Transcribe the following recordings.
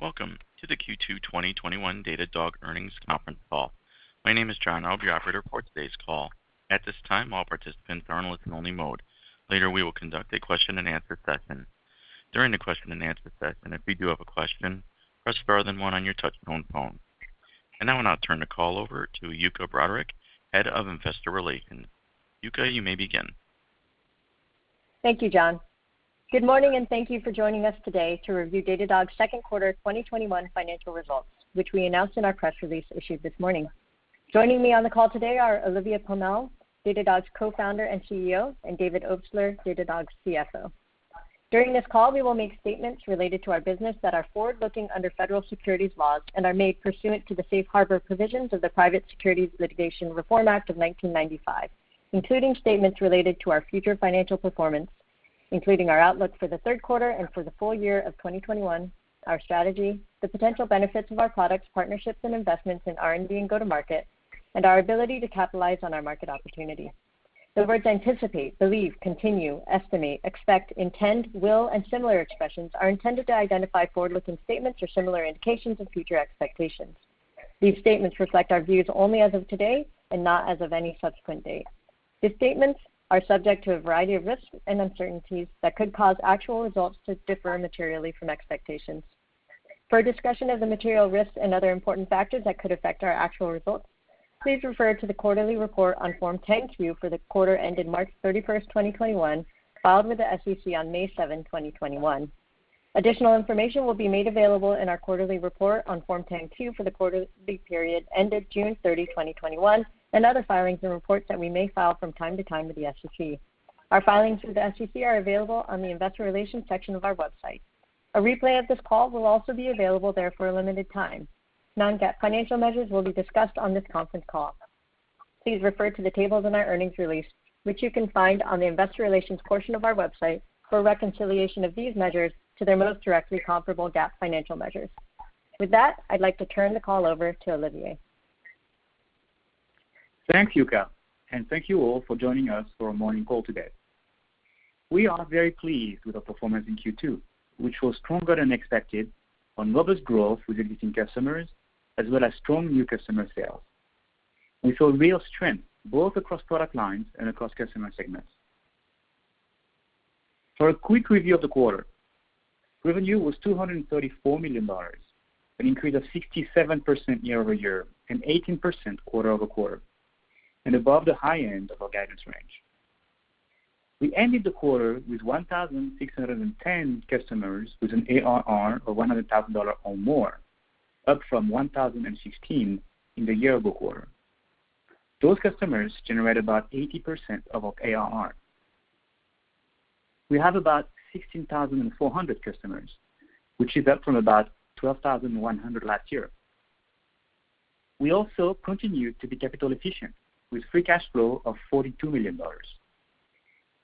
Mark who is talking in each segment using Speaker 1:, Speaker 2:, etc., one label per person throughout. Speaker 1: Welcome to the Q2 2021 Datadog Earnings Conference Call. My name is John. I'll be operator for today's call. At this time, all participants are in listen only mode. Later, we will conduct a question and answer session. During the question and answer session, if you do have a question, press star then one on your touch-tone phone. Now I'll turn the call over to Yuka Broderick, Head of Investor Relations. Yuka, you may begin.
Speaker 2: Thank you, John. Good morning, and thank you for joining us today to review Datadog's second quarter 2021 financial results, which we announced in our press release issued this morning. Joining me on the call today are Olivier Pomel, Datadog's co-founder and CEO, and David Obstler, Datadog's CFO. During this call, we will make statements related to our business that are forward-looking under federal securities laws and are made pursuant to the Safe Harbor provisions of the Private Securities Litigation Reform Act of 1995, including statements related to our future financial performance, including our outlook for the third quarter and for the full year of 2021, our strategy, the potential benefits of our products, partnerships, and investments in R&D and go-to-market, and our ability to capitalize on our market opportunity. The words anticipate, believe, continue, estimate, expect, intend, will, and similar expressions are intended to identify forward-looking statements or similar indications of future expectations. These statements reflect our views only as of today and not as of any subsequent date. These statements are subject to a variety of risks and uncertainties that could cause actual results to differ materially from expectations. For a discussion of the material risks and other important factors that could affect our actual results, please refer to the quarterly report on Form 10-Q for the quarter ended March 31st, 2021, filed with the SEC on May 7th, 2021. Additional information will be made available in our quarterly report on Form 10-Q for the quarterly period ended June 30, 2021, and other filings and reports that we may file from time to time with the SEC. Our filings with the SEC are available on the investor relations section of our website. A replay of this call will also be available there for a limited time. Non-GAAP financial measures will be discussed on this conference call. Please refer to the tables in our earnings release, which you can find on the investor relations portion of our website for a reconciliation of these measures to their most directly comparable GAAP financial measures. With that, I'd like to turn the call over to Olivier.
Speaker 3: Thanks, Yuka, and thank you all for joining us for our morning call today. We are very pleased with our performance in Q2, which was stronger than expected on robust growth with existing customers, as well as strong new customer sales. We saw real strength both across product lines and across customer segments. For a quick review of the quarter, revenue was $234 million, an increase of 67% year-over-year and 18% quarter-over-quarter, and above the high end of our guidance range. We ended the quarter with 1,610 customers with an ARR of $100,000 or more, up from 1,016 in the year ago quarter. Those customers generate about 80% of our ARR. We have about 16,400 customers, which is up from about 12,100 last year. We also continue to be capital efficient, with free cash flow of $42 million.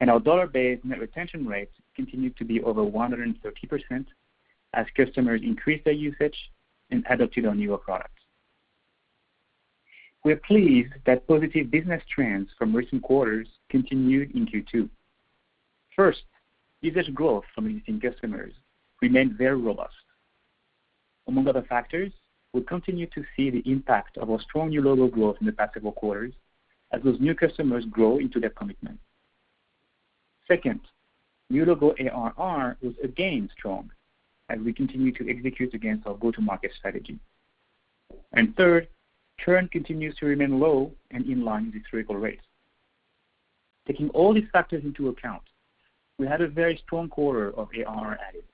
Speaker 3: Our dollar-based net retention rates continue to be over 130% as customers increase their usage and adopted our newer products. We're pleased that positive business trends from recent quarters continued in Q2. First, usage growth from existing customers remained very robust. Among other factors, we continue to see the impact of our strong new logo growth in the past several quarters as those new customers grow into their commitment. Second, new logo ARR was again strong as we continue to execute against our go-to-market strategy. Third, churn continues to remain low and in line with historical rates. Taking all these factors into account, we had a very strong quarter of ARR added,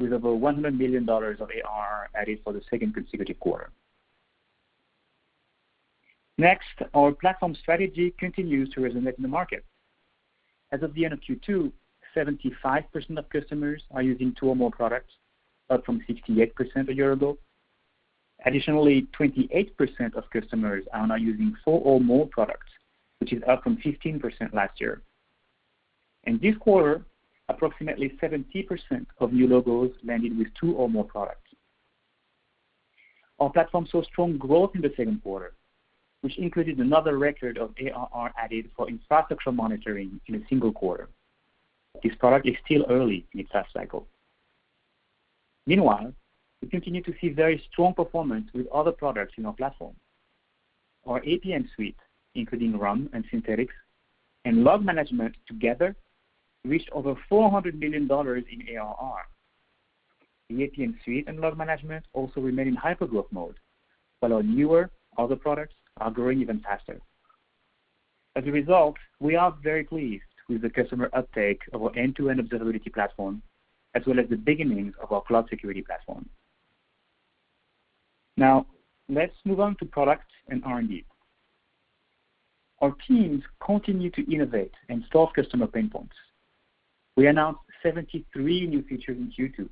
Speaker 3: with over $100 million of ARR added for the second consecutive quarter. Next, our platform strategy continues to resonate in the market. As of the end of Q2, 75% of customers are using two or more products, up from 68% a year ago. 28% of customers are now using four or more products, which is up from 15% last year. This quarter, approximately 70% of new logos landed with two or more products. Our platform saw strong growth in the second quarter, which included another record of ARR added for Infrastructure Monitoring in a single quarter. This product is still early in its life cycle. Meanwhile, we continue to see very strong performance with other products in our platform. Our APM suite, including RUM and Synthetics and Log Management together, reached over $400 million in ARR. The APM suite and Log Management also remain in hypergrowth mode, while our newer other products are growing even faster. As a result, we are very pleased with the customer uptake of our end-to-end observability platform, as well as the beginnings of our cloud security platform. Now, let's move on to product and R&D. Our teams continue to innovate and solve customer pain points. We announced 73 new features in Q2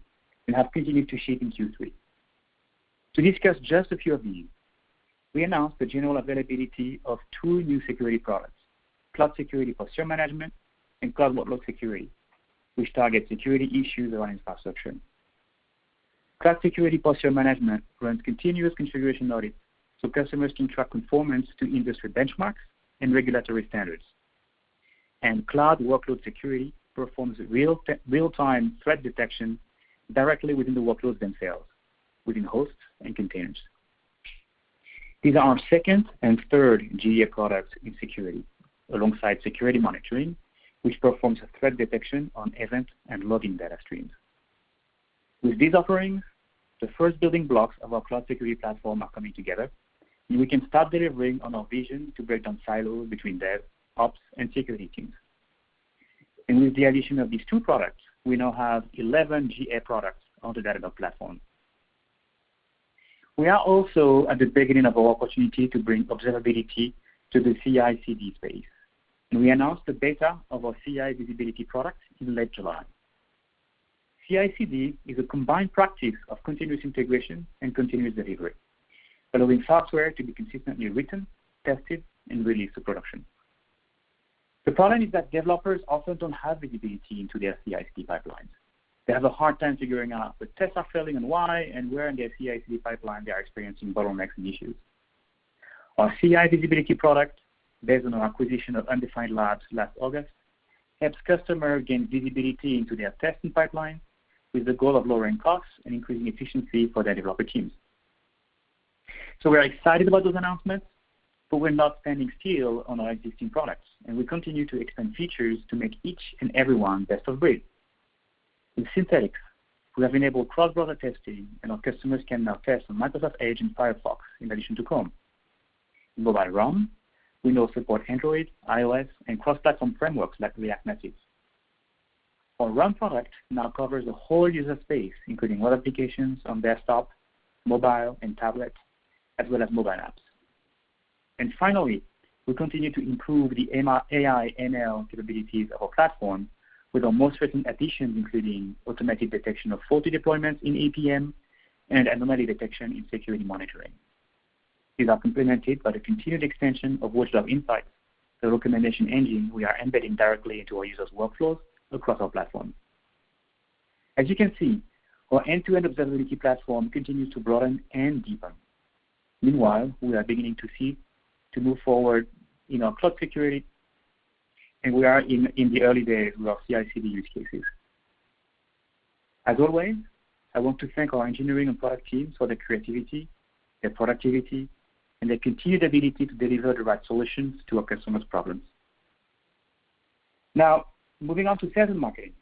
Speaker 3: and have continued to ship in Q3. To discuss just a few of these, we announced the general availability of two new security products, Cloud Security Posture Management and Cloud Workload Security, which target security issues around infrastructure. Cloud Security Posture Management runs continuous configuration audits so customers can track conformance to industry benchmarks and regulatory standards. Cloud Workload Security performs real-time threat detection directly within the workloads themselves, within hosts and containers. These are our second and third GA products in security, alongside Security Monitoring, which performs a threat detection on event and logging data streams. With these offerings, the first building blocks of our cloud security platform are coming together, we can start delivering on our vision to break down silos between dev, ops, and security teams. With the addition of these two products, we now have 11 GA products on the Datadog platform. We are also at the beginning of our opportunity to bring observability to the CI/CD space, and we announced the beta of our CI Visibility product in late July. CI/CD is a combined practice of continuous integration and continuous delivery, allowing software to be consistently written, tested, and released to production. The problem is that developers often don't have visibility into their CI/CD pipelines. They have a hard time figuring out if the tests are failing and why, and where in their CI/CD pipeline they are experiencing bottlenecks and issues. Our CI Visibility product, based on our acquisition of Undefined Labs last August, helps customer gain visibility into their testing pipeline with the goal of lowering costs and increasing efficiency for their developer teams. We're excited about those announcements, but we're not standing still on our existing products, and we continue to expand features to make each and every one best of breed. In Synthetics, we have enabled cross-browser testing and our customers can now test on Microsoft Edge and Firefox in addition to Chrome. In Mobile RUM, we now support Android, iOS, and cross-platform frameworks like React Native. Our RUM product now covers the whole user space, including web applications on desktop, mobile, and tablet, as well as mobile apps. Finally, we continue to improve the AI ML capabilities of our platform with our most recent additions including automated detection of faulty deployments in APM and anomaly detection in Security Monitoring. These are complemented by the continued extension of Watchdog Insights, the recommendation engine we are embedding directly into our users' workflows across our platform. As you can see, our end-to-end observability platform continues to broaden and deepen. Meanwhile, we are beginning to move forward in our cloud security, and we are in the early days of our CI/CD use cases. As always, I want to thank our engineering and product teams for their creativity, their productivity, and their continued ability to deliver the right solutions to our customers' problems. Now, moving on to sales and marketing.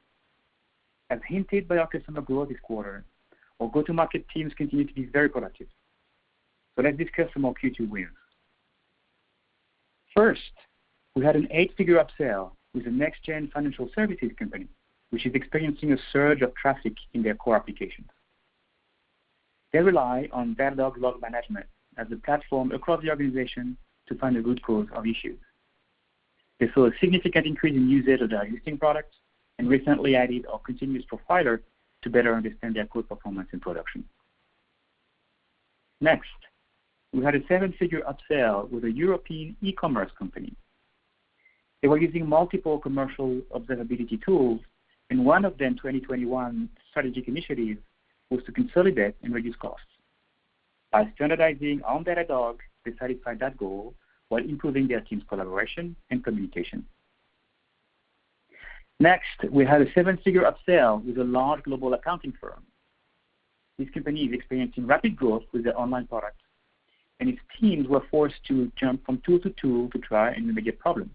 Speaker 3: As hinted by our customer growth this quarter, our go-to-market teams continue to be very productive. Let's discuss some more Q2 wins. First, we had an eight-figure upsell with a next-gen financial services company, which is experiencing a surge of traffic in their core applications. They rely on Datadog Log Management as the platform across the organization to find the root cause of issues. They saw a significant increase in usage of their existing products and recently added our Continuous Profiler to better understand their core performance in production. Next, we had a seven-figure upsell with a European e-commerce company. They were using multiple commercial observability tools, and one of their 2021 strategic initiatives was to consolidate and reduce costs. By standardizing on Datadog, they satisfied that goal while improving their team's collaboration and communication. Next, we had a seven-figure upsell with a large global accounting firm. This company is experiencing rapid growth with their online product, and its teams were forced to jump from tool to tool to try and remediate problems.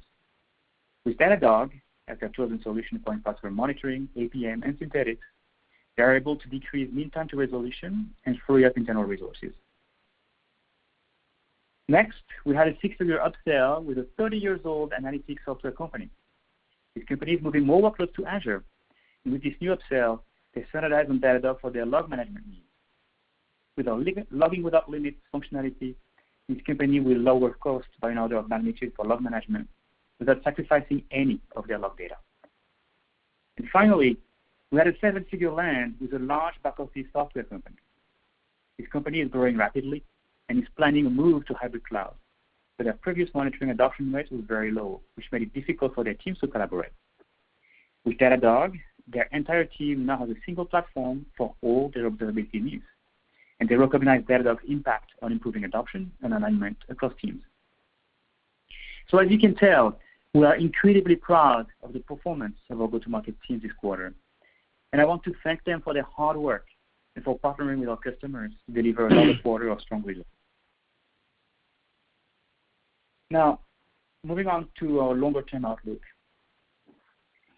Speaker 3: With Datadog as their chosen solution for Infrastructure Monitoring, APM, and Synthetics, they are able to decrease mean time to resolution and free up internal resources. Next, we had a six-figure upsell with a 30 years old analytics software company. This company is moving more workload to Azure. With this new upsell, they standardize on Datadog for their Log Management needs. With our Logging without Limits functionality, this company will lower cost by an order of magnitude for Log Management without sacrificing any of their log data. Finally, we had a seven-figure land with a large B2C software company. This company is growing rapidly and is planning a move to hybrid cloud, but their previous monitoring adoption rate was very low, which made it difficult for their teams to collaborate. With Datadog, their entire team now has a single platform for all their observability needs, and they recognize Datadog's impact on improving adoption and alignment across teams. As you can tell, we are incredibly proud of the performance of our go-to-market team this quarter, and I want to thank them for their hard work and for partnering with our customers to deliver another quarter of strong results. Now, moving on to our longer-term outlook.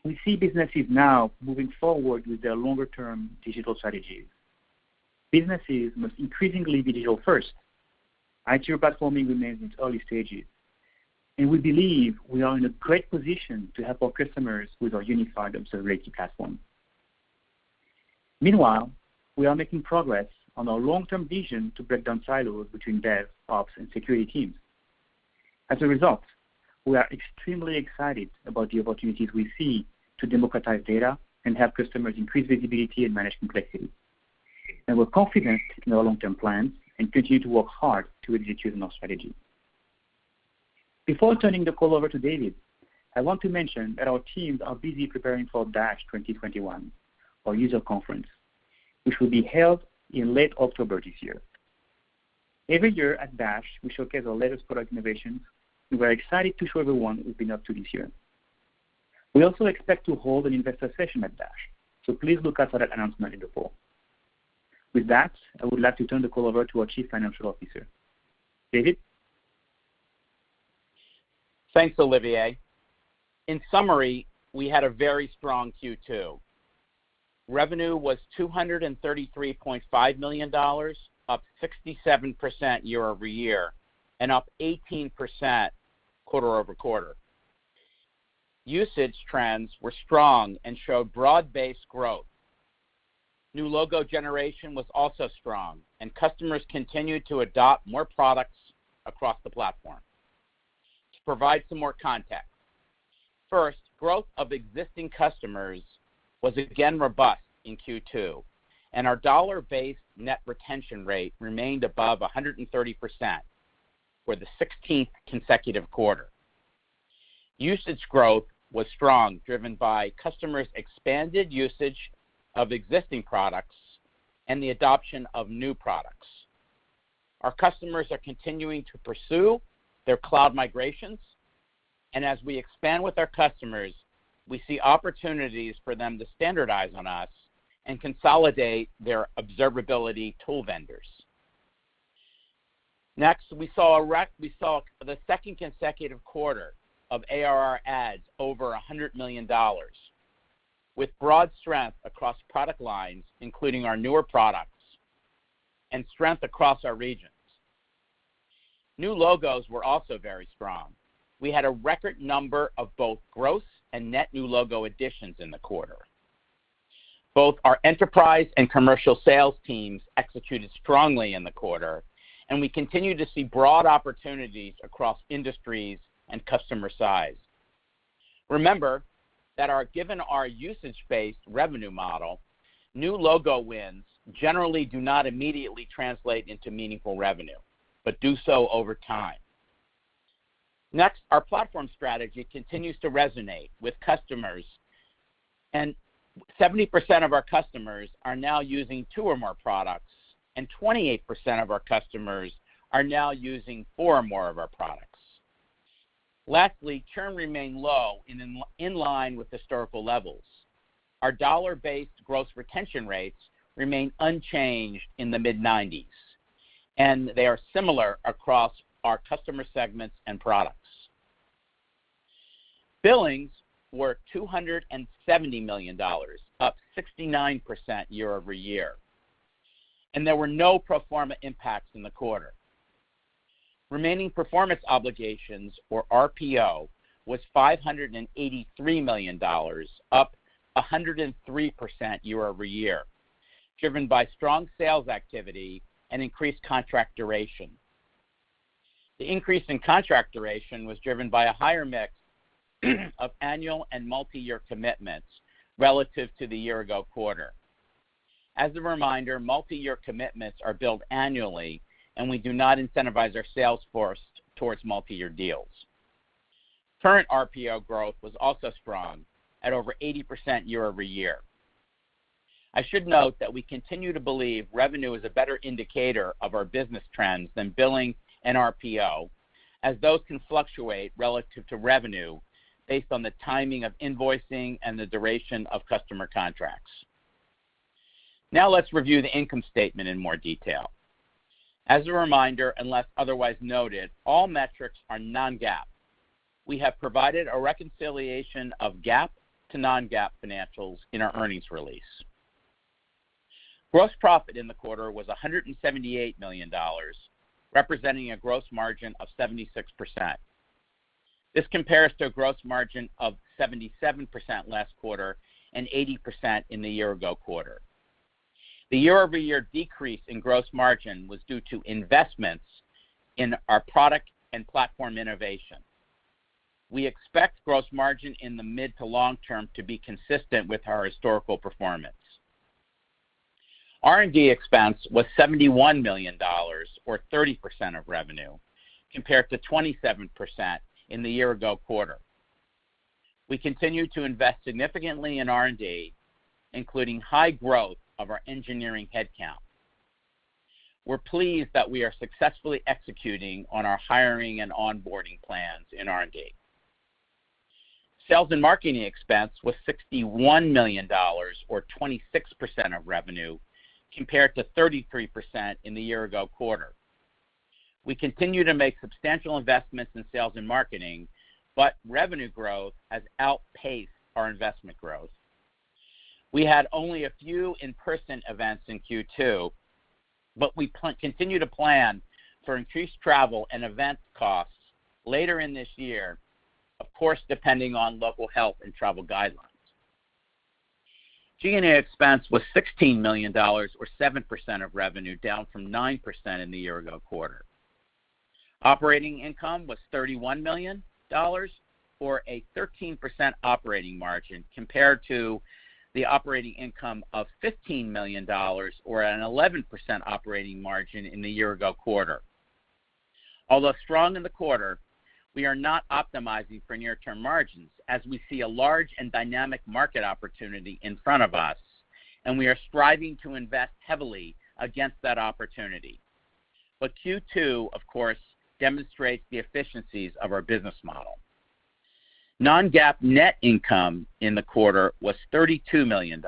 Speaker 3: We see businesses now moving forward with their longer-term digital strategies. Businesses must increasingly be digital-first. IT platforming remains in its early stages, and we believe we are in a great position to help our customers with our unified observability platform. Meanwhile, we are making progress on our long-term vision to break down silos between dev, ops, and security teams. As a result, we are extremely excited about the opportunities we see to democratize data and help customers increase visibility and manage complexity. We're confident in our long-term plans and continue to work hard to execute on our strategy. Before turning the call over to David, I want to mention that our teams are busy preparing for Dash 2021, our user conference, which will be held in late October this year. Every year at Dash, we showcase our latest product innovations. We are excited to show everyone what we've been up to this year. We also expect to hold an investor session at Dash, so please look out for that announcement in the fall. With that, I would like to turn the call over to our Chief Financial Officer. David?
Speaker 4: Thanks, Olivier. In summary, we had a very strong Q2. Revenue was $233.5 million, up 67% year-over-year, and up 18% quarter-over-quarter. Usage trends were strong and showed broad-based growth. New logo generation was also strong, and customers continued to adopt more products across the platform. To provide some more context, first, growth of existing customers was again robust in Q2, and our dollar-based net retention rate remained above 130% for the 16th consecutive quarter. Usage growth was strong, driven by customers' expanded usage of existing products and the adoption of new products. Our customers are continuing to pursue their cloud migrations, and as we expand with our customers, we see opportunities for them to standardize on us and consolidate their observability tool vendors. We saw the second consecutive quarter of ARR adds over $100 million, with broad strength across product lines, including our newer products, and strength across our regions. New logos were also very strong. We had a record number of both gross and net new logo additions in the quarter. Both our enterprise and commercial sales teams executed strongly in the quarter, and we continue to see broad opportunities across industries and customer size. Remember that given our usage-based revenue model, new logo wins generally do not immediately translate into meaningful revenue, but do so over time. Our platform strategy continues to resonate with customers, and 70% of our customers are now using two or more products, and 28% of our customers are now using four or more of our products. Churn remained low and in line with historical levels. Our dollar-based gross retention rates remain unchanged in the mid-90s, and they are similar across our customer segments and products. Billings were $270 million, up 69% year-over-year, and there were no pro forma impacts in the quarter. Remaining performance obligations, or RPO, was $583 million, up 103% year-over-year, driven by strong sales activity and increased contract duration. The increase in contract duration was driven by a higher mix of annual and multi-year commitments relative to the year-ago quarter. As a reminder, multi-year commitments are billed annually, and we do not incentivize our sales force towards multi-year deals. Current RPO growth was also strong at over 80% year-over-year. I should note that we continue to believe revenue is a better indicator of our business trends than billing and RPO, as those can fluctuate relative to revenue based on the timing of invoicing and the duration of customer contracts. Now let's review the income statement in more detail. As a reminder, unless otherwise noted, all metrics are non-GAAP. We have provided a reconciliation of GAAP to non-GAAP financials in our earnings release. Gross profit in the quarter was $178 million, representing a gross margin of 76%. This compares to a gross margin of 77% last quarter and 80% in the year-ago quarter. The year-over-year decrease in gross margin was due to investments in our product and platform innovation. We expect gross margin in the mid to long term to be consistent with our historical performance. R&D expense was $71 million, or 30% of revenue, compared to 27% in the year-ago quarter. We continue to invest significantly in R&D, including high growth of our engineering headcount. We're pleased that we are successfully executing on our hiring and onboarding plans in R&D. Sales and marketing expense was $61 million, or 26% of revenue, compared to 33% in the year-ago quarter. We continue to make substantial investments in sales and marketing. Revenue growth has outpaced our investment growth. We had only a few in-person events in Q2. We continue to plan for increased travel and event costs later in this year, of course, depending on local health and travel guidelines. G&A expense was $16 million, or 7% of revenue, down from 9% in the year-ago quarter. Operating income was $31 million, or a 13% operating margin, compared to the operating income of $15 million, or an 11% operating margin in the year-ago quarter. Although strong in the quarter, we are not optimizing for near-term margins, as we see a large and dynamic market opportunity in front of us, and we are striving to invest heavily against that opportunity. Q2, of course, demonstrates the efficiencies of our business model. Non-GAAP net income in the quarter was $32 million,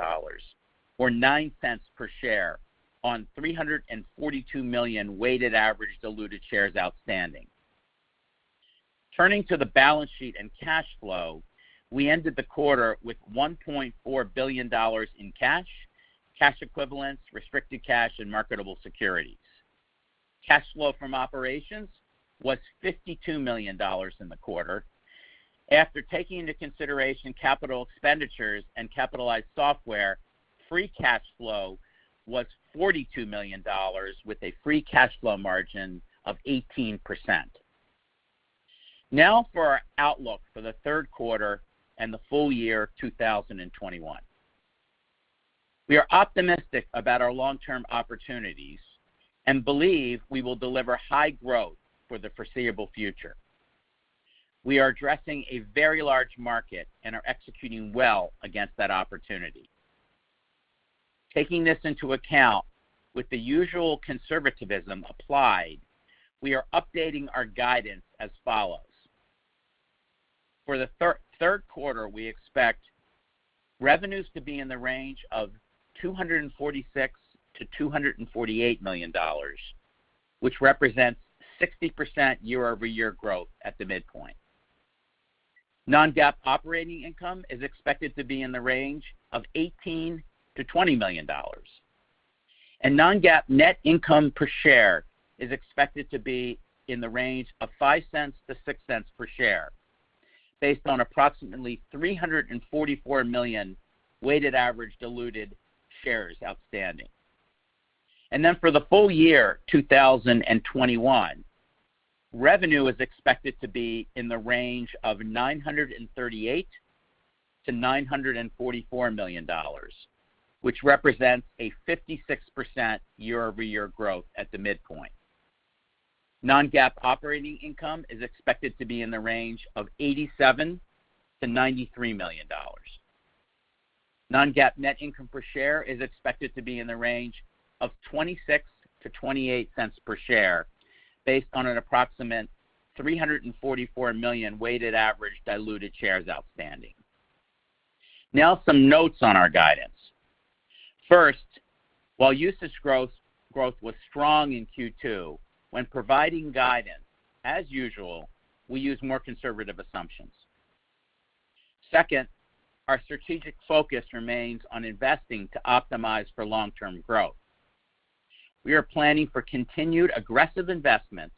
Speaker 4: or $0.09 per share on 342 million weighted average diluted shares outstanding. Turning to the balance sheet and cash flow, we ended the quarter with $1.4 billion in cash equivalents, restricted cash, and marketable securities. Cash flow from operations was $52 million in the quarter. After taking into consideration capital expenditures and capitalized software, free cash flow was $42 million with a free cash flow margin of 18%. Now for our outlook for the third quarter and the full year 2021. We are optimistic about our long-term opportunities and believe we will deliver high growth for the foreseeable future. We are addressing a very large market and are executing well against that opportunity. Taking this into account, with the usual conservatism applied, we are updating our guidance as follows. For the third quarter, we expect revenues to be in the range of $246 million-$248 million, which represents 60% year-over-year growth at the midpoint. Non-GAAP operating income is expected to be in the range of $18 million-$20 million. Non-GAAP net income per share is expected to be in the range of $0.05-$0.06 per share based on approximately 344 million weighted average diluted shares outstanding. Then for the full year 2021, revenue is expected to be in the range of $938 million-$944 million, which represents a 56% year-over-year growth at the midpoint. Non-GAAP operating income is expected to be in the range of $87 million-$93 million. Non-GAAP net income per share is expected to be in the range of $0.26-$0.28 per share based on an approximate 344 million weighted average diluted shares outstanding. Now, some notes on our guidance. First, while usage growth was strong in Q2, when providing guidance, as usual, we use more conservative assumptions. Second, our strategic focus remains on investing to optimize for long-term growth. We are planning for continued aggressive investments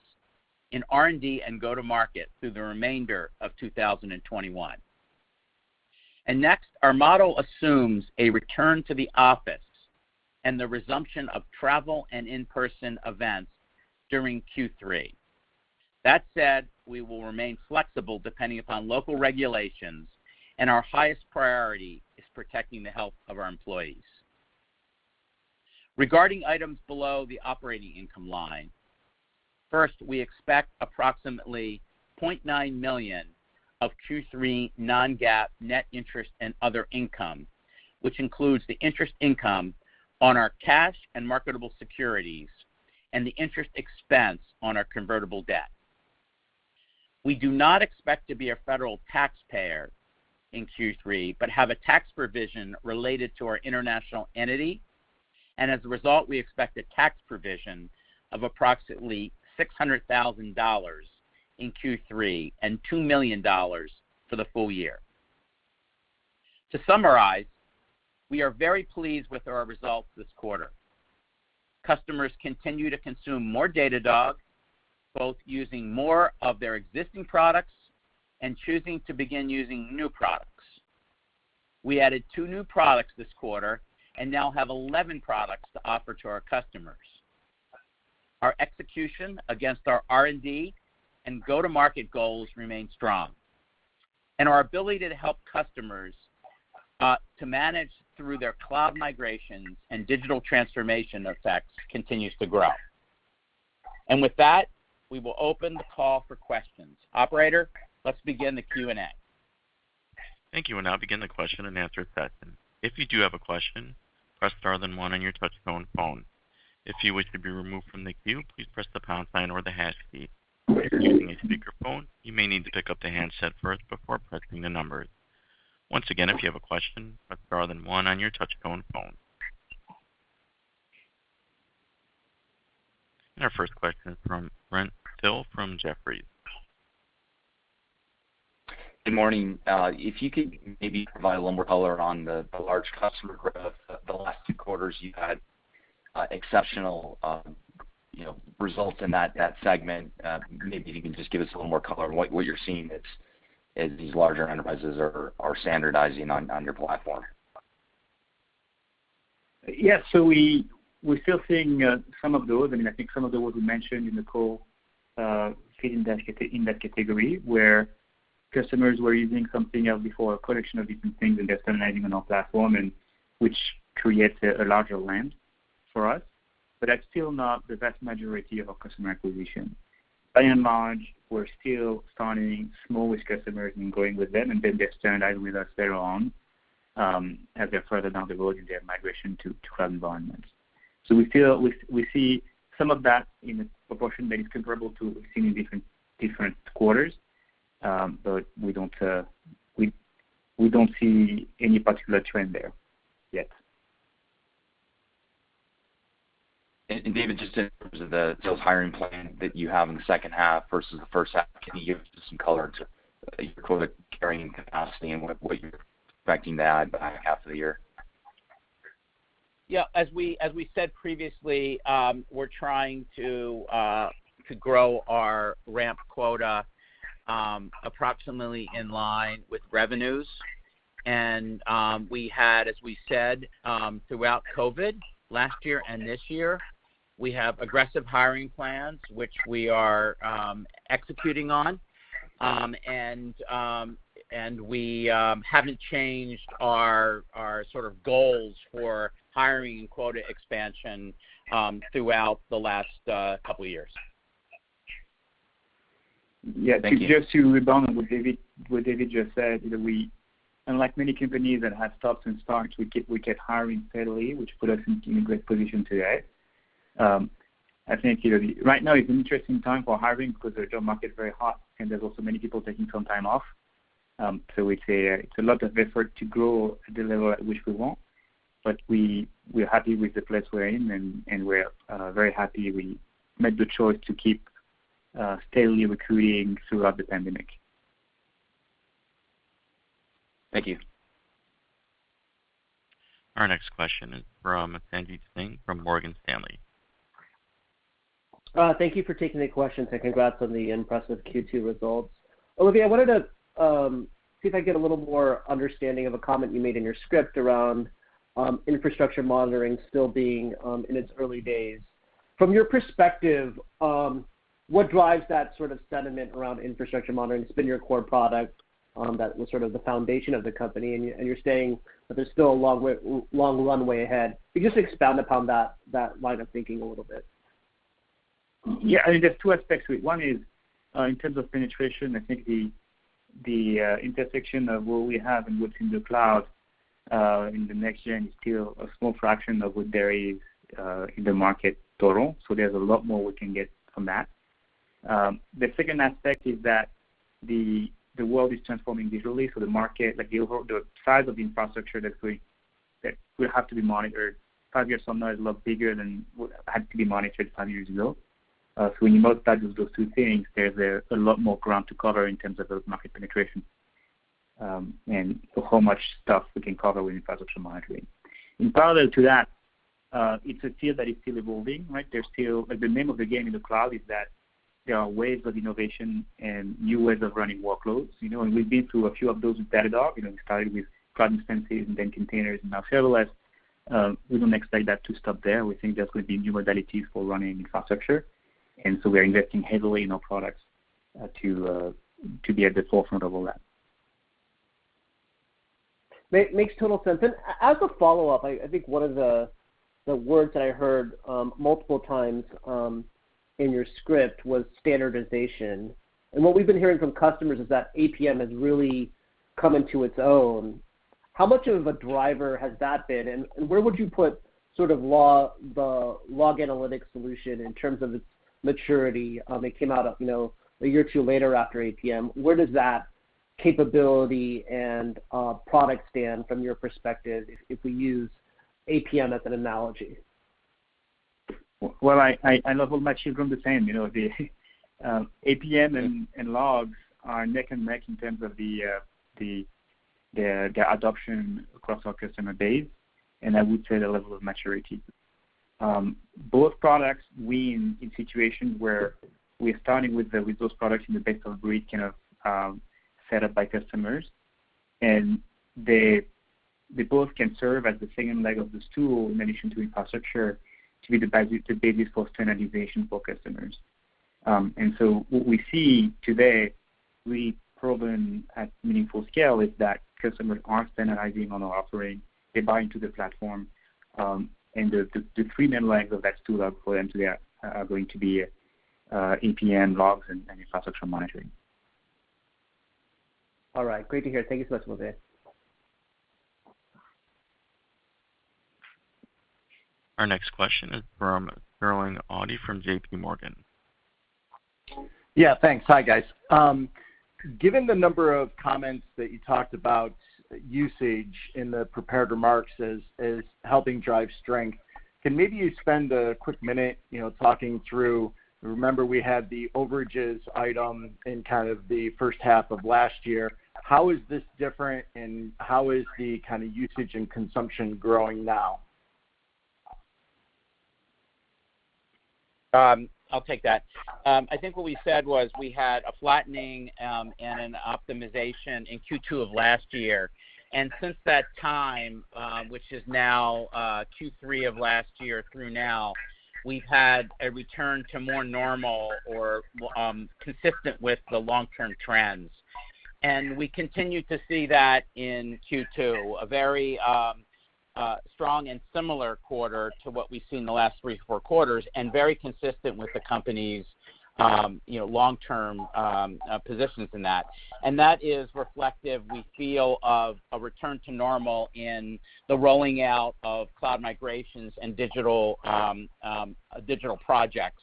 Speaker 4: in R&D and go-to-market through the remainder of 2021. Next, our model assumes a return to the office and the resumption of travel and in-person events during Q3. That said, we will remain flexible depending upon local regulations, and our highest priority is protecting the health of our employees. Regarding items below the operating income line, first, we expect approximately $0.9 million of Q3 non-GAAP net interest and other income, which includes the interest income on our cash and marketable securities and the interest expense on our convertible debt. We do not expect to be a federal taxpayer in Q3, but have a tax provision related to our international entity. As a result, we expect a tax provision of approximately $600,000 in Q3 and $2 million for the full year. To summarize, we are very pleased with our results this quarter. Customers continue to consume more Datadog, both using more of their existing products and choosing to begin using new products. We added two new products this quarter and now have 11 products to offer to our customers. Our execution against our R&D and go-to-market goals remain strong. Our ability to help customers, to manage through their cloud migrations and digital transformation efforts continues to grow. With that, we will open the call for questions. Operator, let's begin the Q&A.
Speaker 1: Thank you. Our first question is from Brent Thill from Jefferies.
Speaker 5: Good morning. If you could maybe provide a little more color on the large customer growth? The last two quarters, you had exceptional results in that segment. Maybe if you can just give us a little more color on what you're seeing as these larger enterprises are standardizing on your platform?
Speaker 3: Yeah. We're still seeing some of those. I think some of those we mentioned in the call fit in that category, where-Customers were using something else before, a collection of different things, and they're standardizing on our platform, and which creates a larger land for us. That's still not the vast majority of our customer acquisition. By and large, we're still starting small with customers and going with them, and then they standardize with us later on, as they're further down the road in their migration to cloud environments. We see some of that in a proportion that is comparable to what we've seen in different quarters. We don't see any particular trend there yet.
Speaker 5: David, just in terms of the sales hiring plan that you have in the second half versus the first half, can you give us some color to your quota-carrying capacity and what you're expecting to add behind the half of the year?
Speaker 4: Yeah. As we said previously, we're trying to grow our ramp quota approximately in line with revenues. We had, as we said, throughout COVID last year and this year, we have aggressive hiring plans, which we are executing on. We haven't changed our goals for hiring and quota expansion throughout the last couple of years.
Speaker 5: Thank you.
Speaker 3: Yeah. Just to rebound on what David just said, unlike many companies that have stopped and started, we kept hiring steadily, which put us in a great position today. I think right now is an interesting time for hiring because the job market is very hot, and there's also many people taking some time off. We say it's a lot of effort to grow at the level at which we want, but we're happy with the place we're in, and we're very happy we made the choice to keep steadily recruiting throughout the pandemic.
Speaker 5: Thank you.
Speaker 1: Our next question is from Sanjit Singh from Morgan Stanley.
Speaker 6: Thank you for taking the questions, and congrats on the impressive Q2 results. Olivier, I wanted to see if I could get a little more understanding of a comment you made in your script around infrastructure monitoring still being in its early days. From your perspective, what drives that sort of sentiment around infrastructure monitoring? It's been your core product that was sort of the foundation of the company, and you're saying that there's still a long runway ahead. Can you just expand upon that line of thinking a little bit?
Speaker 3: Yeah. I think there's two aspects to it. One is, in terms of penetration, I think the intersection of what we have and what's in the cloud in the next year is still a small fraction of what there is in the market total. There's a lot more we can get from that. The second aspect is that the world is transforming digitally, the market, like the overall size of the infrastructure that will have to be monitored five years from now is a lot bigger than what had to be monitored five years ago. When you multiply those two things, there's a lot more ground to cover in terms of both market penetration, and how much stuff we can cover with Infrastructure Monitoring. In parallel to that, it's a field that is still evolving, right? The name of the game in the cloud is that there are waves of innovation and new ways of running workloads. We've been through a few of those with Datadog. It started with cloud instances, and then containers, and now serverless. We don't expect that to stop there. We think there's going to be new modalities for running infrastructure, and so we're investing heavily in our products to be at the forefront of all that.
Speaker 6: Makes total sense. As a follow-up, I think one of the words that I heard multiple times in your script was standardization. What we've been hearing from customers is that APM has really come into its own. How much of a driver has that been, and where would you put the log analytics solution in terms of its maturity? It came out a year or two later after APM. Where does that capability and product stand from your perspective, if we use APM as an analogy?
Speaker 3: Well, I love all my children the same. APM and logs are neck and neck in terms of their adoption across our customer base, and I would say their level of maturity. Both products, we, in situations where we're starting with those products in the best of breed kind of setup by customers, and they both can serve as the second leg of the stool in addition to infrastructure to be the basis for standardization for customers. What we see today, we've seen at meaningful scale is that customers are standardizing on our platform. They buy into the platform. The three main legs of that stool are going to be APM, logs, and Infrastructure Monitoring.
Speaker 6: All right. Great to hear. Thank you so much, Olivier.
Speaker 1: Our next question is from Sterling Auty from J.P. Morgan.
Speaker 7: Yeah, thanks. Hi, guys. Given the number of comments that you talked about usage in the prepared remarks as helping drive strength, can maybe you spend a quick minute talking through Remember, we had the overages item in kind of the first half of last year. How is this different, and how is the kind of usage and consumption growing now?
Speaker 4: I'll take that. I think what we said was we had a flattening and an optimization in Q2 of last year. Since that time, which is now Q3 of last year through now, we've had a return to more normal or consistent with the long-term trends. We continued to see that in Q2, a very strong and similar quarter to what we've seen the last three, four quarters, and very consistent with the company's long-term positions in that. That is reflective, we feel, of a return to normal in the rolling out of cloud migrations and digital projects.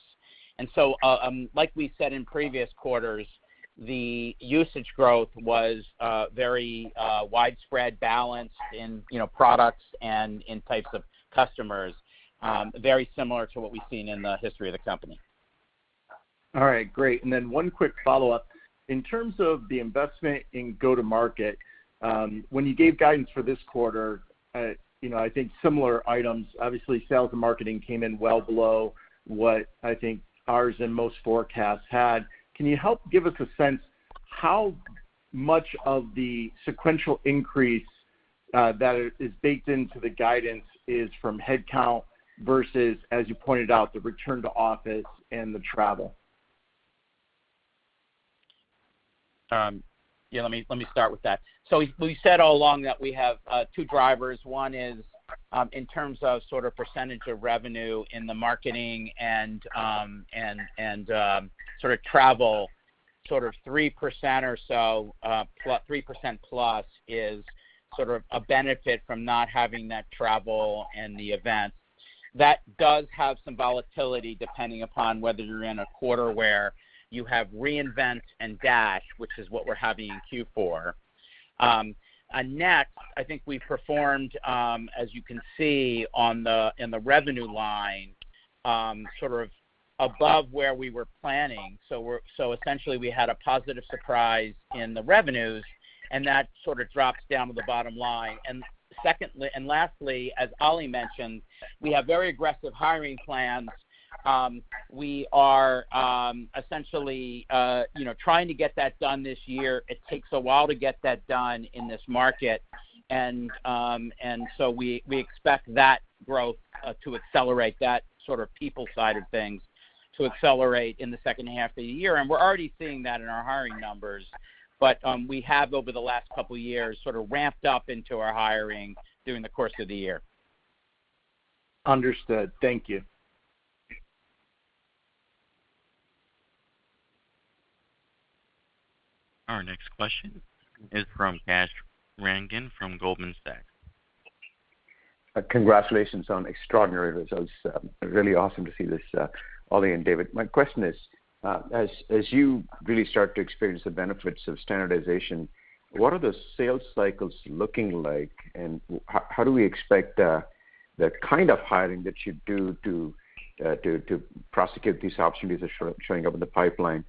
Speaker 4: Like we said in previous quarters, the usage growth was very widespread balance in products and in types of customers, very similar to what we've seen in the history of the company.
Speaker 7: All right, great. One quick follow-up. In terms of the investment in go-to-market, when you gave guidance for this quarter, I think similar items, obviously, sales and marketing came in well below what I think ours and most forecasts had. Can you help give us a sense how much of the sequential increase that is baked into the guidance is from headcount versus, as you pointed out, the return to office and the travel?
Speaker 4: Let me start with that. We said all along that we have 2 drivers. One is in terms of sort of percentage of revenue in the marketing and sort of travel, 3% or so, 3%+ is sort of a benefit from not having that travel and the events. That does have some volatility depending upon whether you're in a quarter where you have re:Invent and Dash, which is what we're having in Q4. I think we've performed, as you can see in the revenue line, sort of above where we were planning. Essentially, we had a positive surprise in the revenues, and that sort of drops down to the bottom line. Lastly, as Oli mentioned, we have very aggressive hiring plans. We are essentially trying to get that done this year. It takes a while to get that done in this market. We expect that growth to accelerate, that sort of people side of things to accelerate in the second half of the year. We're already seeing that in our hiring numbers. We have, over the last couple of years, sort of ramped up into our hiring during the course of the year.
Speaker 7: Understood. Thank you.
Speaker 1: Our next question is from Kash Rangan from Goldman Sachs.
Speaker 8: Congratulations on extraordinary results. Really awesome to see this, Oli and David. My question is, as you really start to experience the benefits of standardization, what are the sales cycles looking like, and how do we expect the kind of hiring that you do to prosecute these opportunities that are showing up in the pipeline?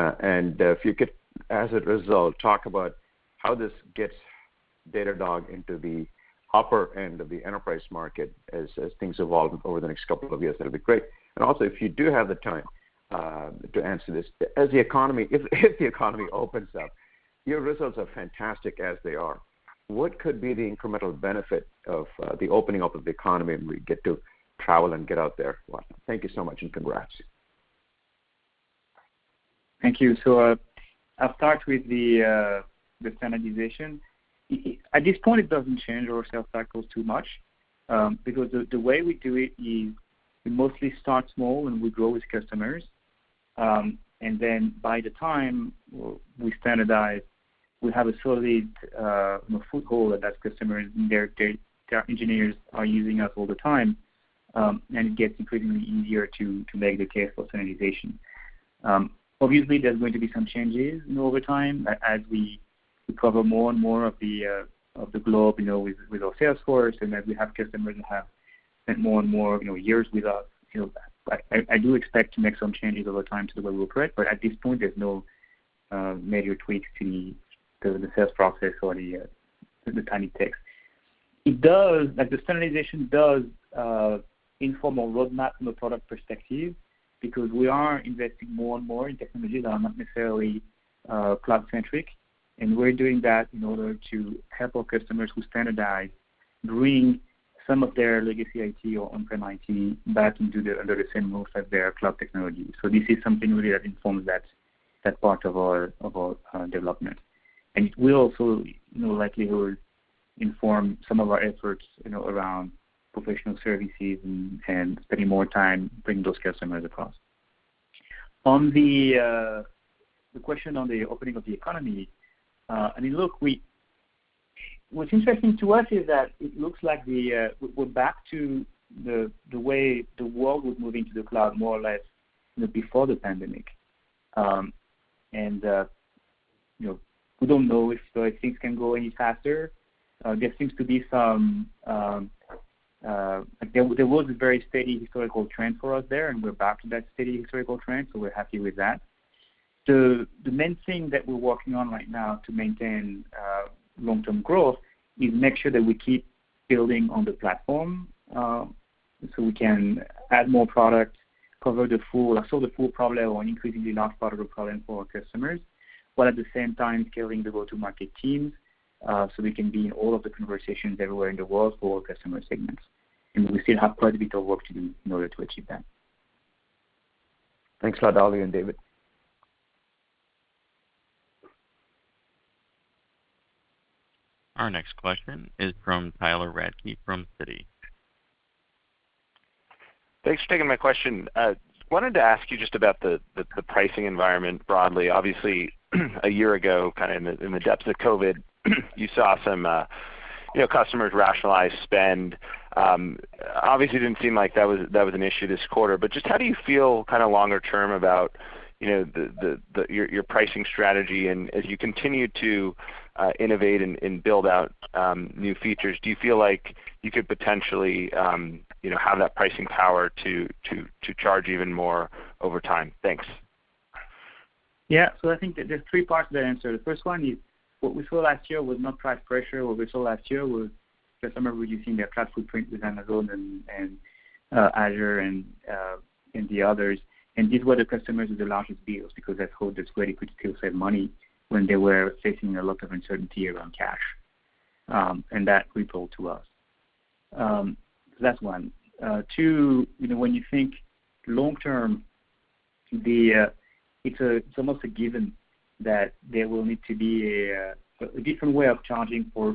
Speaker 8: If you could, as a result, talk about how this gets Datadog into the upper end of the enterprise market as things evolve over the next couple of years, that'd be great. Also, if you do have the time to answer this, if the economy opens up, your results are fantastic as they are. What could be the incremental benefit of the opening up of the economy and we get to travel and get out there? Thank you so much, and congrats.
Speaker 3: Thank you. I'll start with the standardization. At this point, it doesn't change our sales cycles too much, because the way we do it is we mostly start small and we grow with customers. By the time we standardize, we have a solid foothold of that customer, and their engineers are using us all the time, and it gets increasingly easier to make the case for standardization. Obviously, there's going to be some changes over time as we cover more and more of the globe with our sales force, as we have customers who have spent more and more years with us. I do expect to make some changes over time to the way we work, right? At this point, there's no major tweaks to the sales process or the time it takes. The standardization does inform our roadmap from a product perspective because we are investing more and more in technologies that are not necessarily cloud-centric, and we're doing that in order to help our customers who standardize bring some of their legacy IT or on-prem IT back under the same roof as their cloud technology. This is something really that informs that part of our development. It will also in all likelihood inform some of our efforts around professional services and spending more time bringing those customers across. On the question on the opening of the economy, I mean, look, what's interesting to us is that it looks like we're back to the way the world was moving to the cloud more or less before the pandemic. We don't know if things can go any faster. There was a very steady historical trend for us there, and we're back to that steady historical trend, so we're happy with that. The main thing that we're working on right now to maintain long-term growth is make sure that we keep building on the platform so we can add more product, cover the full problem or an increasingly large part of the problem for our customers. But at the same time, scaling the go-to-market teams so we can be in all of the conversations everywhere in the world for all customer segments. And we still have quite a bit of work to do in order to achieve that.
Speaker 8: Thanks a lot, Oli and David.
Speaker 1: Our next question is from Tyler Radke from Citi.
Speaker 9: Thanks for taking my question. Wanted to ask you just about the pricing environment broadly. Obviously, a year ago, in the depths of COVID, you saw some customers rationalize spend. Obviously, didn't seem like that was an issue this quarter, but just how do you feel longer term about your pricing strategy and as you continue to innovate and build out new features, do you feel like you could potentially have that pricing power to charge even more over time? Thanks.
Speaker 3: Yeah. I think there's three parts to that answer. The 1st one is what we saw last year was not price pressure. What we saw last year was customers reducing their cloud footprint with Amazon and Azure and the others. These were the customers with the largest deals, because that's how they could still save money when they were facing a lot of uncertainty around cash. That rippled to us. That's one. Two, when you think long term, it's almost a given that there will need to be a different way of charging for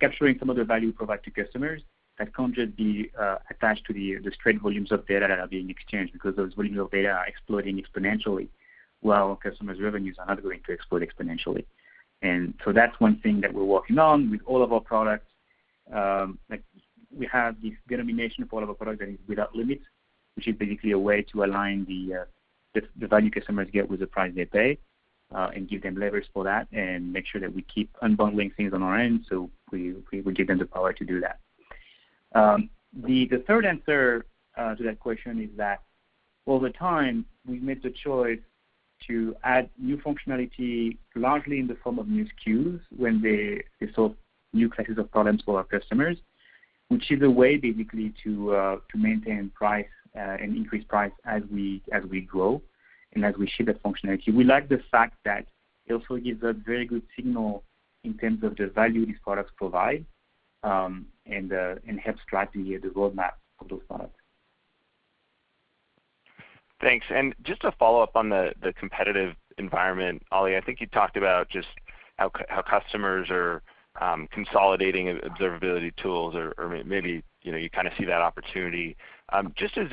Speaker 3: capturing some of the value we provide to customers that can't just be attached to the straight volumes of data that are being exchanged because those volumes of data are exploding exponentially while customers' revenues are not going to explode exponentially. That's one thing that we're working on with all of our products. We have this determination for all of our products that is without Limits, which is basically a way to align the value customers get with the price they pay, and give them leverage for that and make sure that we keep unbundling things on our end, so we give them the power to do that. The third answer to that question is that over time, we've made the choice to add new functionality largely in the form of new SKUs when they solve new classes of problems for our customers, which is a way, basically, to maintain price and increase price as we grow and as we ship that functionality. We like the fact that it also gives a very good signal in terms of the value these products provide, and helps strategy the roadmap for those products.
Speaker 9: Thanks. Just to follow up on the competitive environment, Oli, I think you talked about just how customers are consolidating observability tools or maybe you kind of see that opportunity. Just as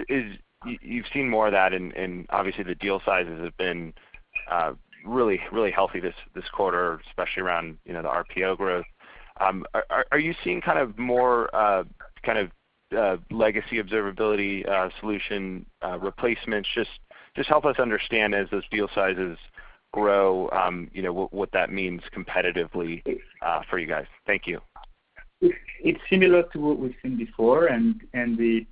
Speaker 9: you've seen more of that, and obviously the deal sizes have been really healthy this quarter, especially around the RPO growth. Are you seeing more legacy observability solution replacements? Just help us understand as those deal sizes grow what that means competitively for you guys. Thank you.
Speaker 3: It's similar to what we've seen before, and the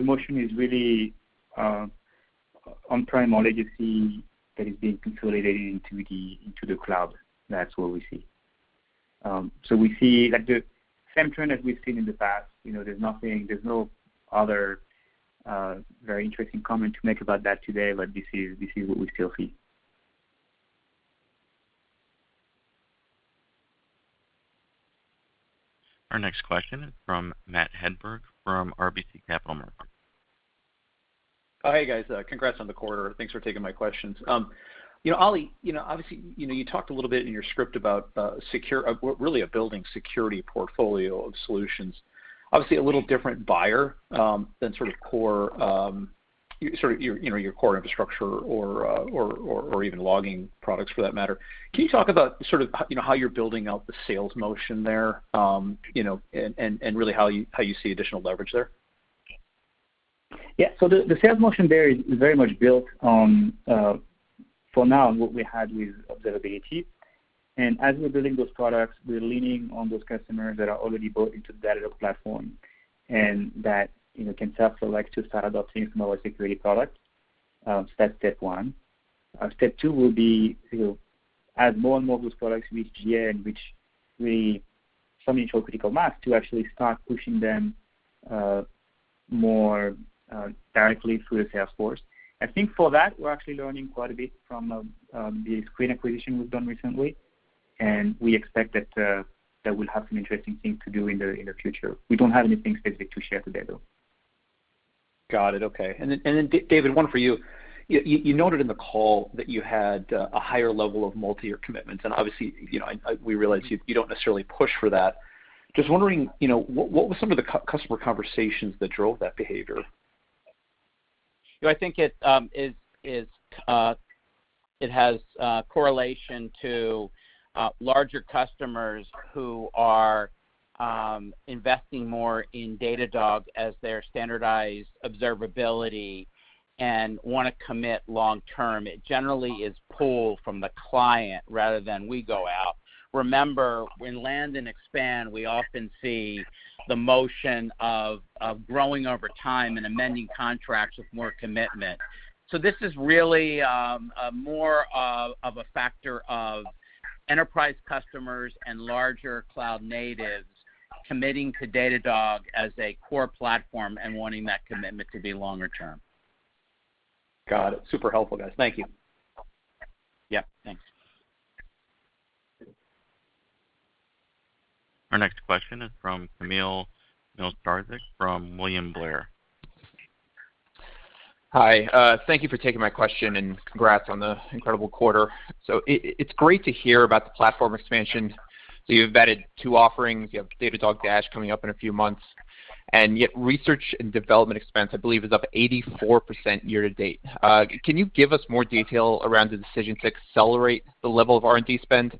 Speaker 3: motion is really on-prem or legacy that is being consolidated into the cloud. That's what we see. We see the same trend as we've seen in the past. There's no other very interesting comment to make about that today. This is what we still see.
Speaker 1: Our next question is from Matt Hedberg from RBC Capital Markets.
Speaker 10: Oh, hey, guys. Congrats on the quarter. Thanks for taking my questions. Olivier, obviously, you talked a little bit in your script about really building security portfolio of solutions. Obviously, a little different buyer than your core infrastructure or even logging products for that matter. Can you talk about how you're building out the sales motion there, and really how you see additional leverage there?
Speaker 3: Yeah. The sales motion there is very much built on, for now, on what we had with observability. As we're building those products, we're leaning on those customers that are already built into the Datadog platform, and that can self-select to start adopting some of our security products. That's step one. Step two will be as more and more of those products reach GA and reach some initial critical mass to actually start pushing them more directly through the sales force. I think for that, we're actually learning quite a bit from the Sqreen acquisition we've done recently, and we expect that that will have some interesting things to do in the future. We don't have anything specific to share today, though.
Speaker 10: Got it. Okay. David, one for you. You noted in the call that you had a higher level of multi-year commitments, and obviously, we realize you don't necessarily push for that. Just wondering, what were some of the customer conversations that drove that behavior?
Speaker 4: I think it has correlation to larger customers who are investing more in Datadog as their standardized observability and want to commit long term. It generally is pulled from the client rather than we go out. Remember, when land and expand, we often see the motion of growing over time and amending contracts with more commitment. This is really more of a factor of enterprise customers and larger cloud natives committing to Datadog as a core platform and wanting that commitment to be longer term.
Speaker 10: Got it. Super helpful, guys. Thank you.
Speaker 4: Yeah. Thanks.
Speaker 1: Our next question is from Kamil Mielczarek from William Blair.
Speaker 11: Hi, thank you for taking my question and congrats on the incredible quarter. It's great to hear about the platform expansion. You've added two offerings. You have Datadog Dash coming up in a few months, and yet research and development expense, I believe, is up 84% year to date. Can you give us more detail around the decision to accelerate the level of R&D spend?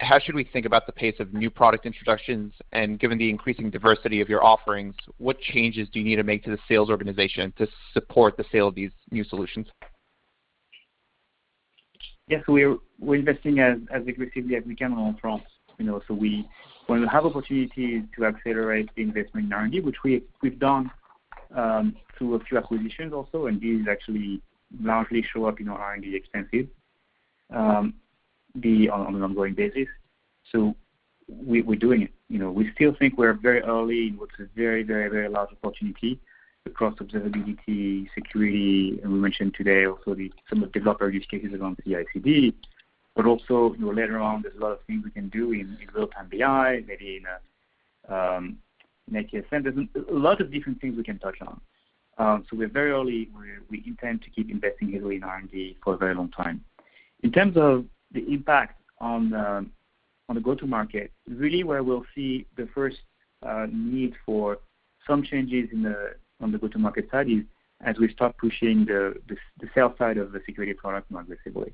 Speaker 11: How should we think about the pace of new product introductions? Given the increasing diversity of your offerings, what changes do you need to make to the sales organization to support the sale of these new solutions?
Speaker 3: We're investing as aggressively as we can on R&D. When we have opportunity to accelerate the investment in R&D, which we've done through a few acquisitions also, and these actually largely show up in our R&D expenses on an ongoing basis. We're doing it. We still think we're very early in what's a very large opportunity across observability, security, and we mentioned today also some of the developer use cases around CI/CD, but also later on, there's a lot of things we can do in real-time BI, maybe in APM. There's a lot of different things we can touch on. We're very early. We intend to keep investing heavily in R&D for a very long time. In terms of the impact on the go-to market, really where we'll see the first need for some changes on the go-to market side is as we start pushing the sales side of the security product more aggressively.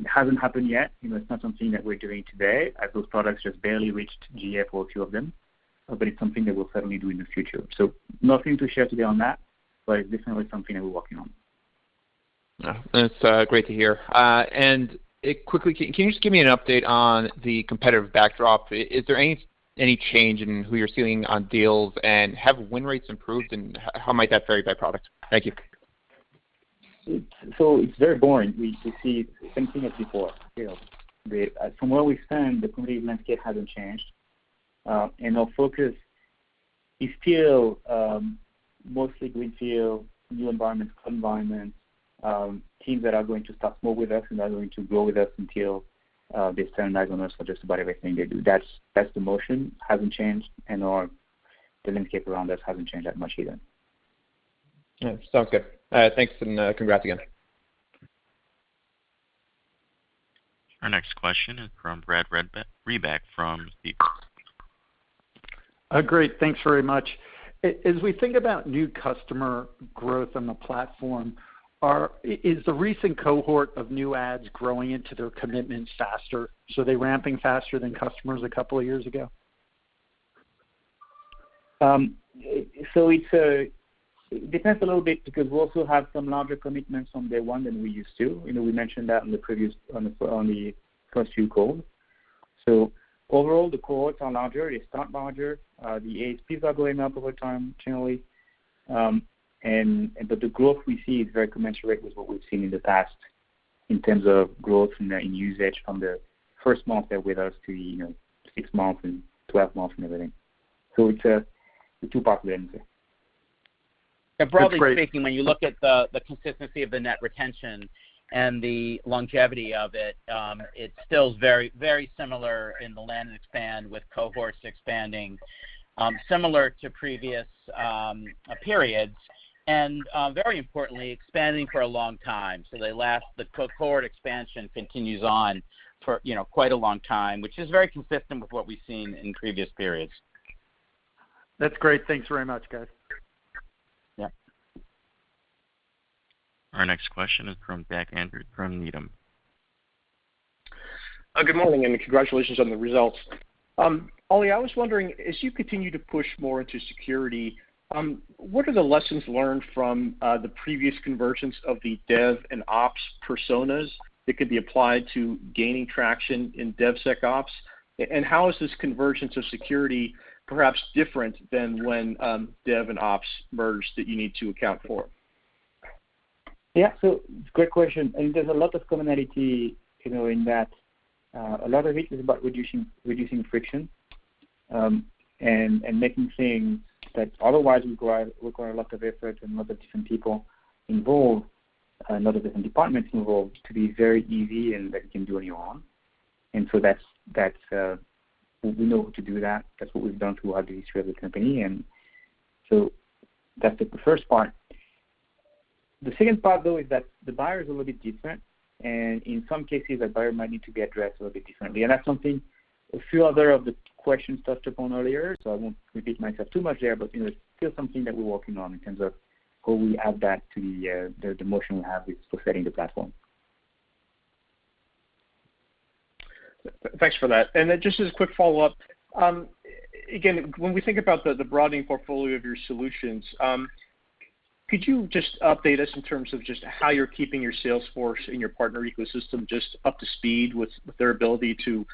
Speaker 3: It hasn't happened yet. It's not something that we're doing today as those products just barely reached GA for a few of them. It's something that we'll certainly do in the future. Nothing to share today on that, but it's definitely something that we're working on.
Speaker 11: That's great to hear. Quickly, can you just give me an update on the competitive backdrop? Is there any change in who you're seeing on deals, and have win rates improved, and how might that vary by product? Thank you.
Speaker 3: It's very boring. We see the same thing as before. From where we stand, the competitive landscape hasn't changed. Our focus is still mostly going to new environments, cloud environments, teams that are going to start small with us and are going to grow with us until they turn to us for just about everything they do. That's the motion, hasn't changed, and our landscape around us hasn't changed that much either.
Speaker 11: Sounds good. Thanks, and congrats again.
Speaker 1: Our next question is from Brad Reback from B. Riley.
Speaker 12: Great. Thanks very much. As we think about new customer growth on the platform, is the recent cohort of new adds growing into their commitments faster? They're ramping faster than customers a couple of years ago?
Speaker 3: It depends a little bit because we also have some larger commitments on day one than we used to. We mentioned that on the first Q call. Overall, the cohorts are larger. They start larger. The ASPs are going up over time, generally. The growth we see is very commensurate with what we've seen in the past in terms of growth in usage from the first month they're with us to the sixth month and 12 months and everything. It's a two-part answer.
Speaker 12: That's great.
Speaker 4: Broadly speaking, when you look at the consistency of the net retention and the longevity of it's still very similar in the land and expand with cohorts expanding, similar to previous periods, and very importantly, expanding for a long time. The cohort expansion continues on for quite a long time, which is very consistent with what we've seen in previous periods.
Speaker 12: That's great. Thanks very much, guys.
Speaker 4: Yeah.
Speaker 1: Our next question is from Jack Andrews from Needham.
Speaker 13: Good morning, and congratulations on the results. Oli, I was wondering, as you continue to push more into security, what are the lessons learned from the previous conversions of the dev and ops personas that could be applied to gaining traction in DevSecOps? How is this convergence of security perhaps different than when dev and ops merged that you need to account for?
Speaker 3: Yeah. Great question. There's a lot of commonality in that. A lot of it is about reducing friction and making things that otherwise require a lot of effort and a lot of different people involved, and a lot of different departments involved, to be very easy and that you can do on your own. We know to do that. That's what we've done throughout the history of the company, and so that's the first part. The second part, though, is that the buyer is a little bit different, and in some cases, the buyer might need to be addressed a little bit differently. That's something a few other of the questions touched upon earlier, so I won't repeat myself too much there, but it's still something that we're working on in terms of how we add that to the motion we have with resetting the platform.
Speaker 13: Thanks for that. Then just as a quick follow-up, again, when we think about the broadening portfolio of your solutions, could you just update us in terms of just how you're keeping your sales force and your partner ecosystem just up to speed with their ability to